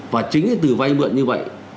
và chính từ vay mượn như vậy